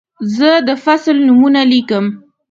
زه د فصل نومونه لیکم.